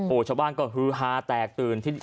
โอ้โหชาวบ้านก็ฮือฮาแตกตื่น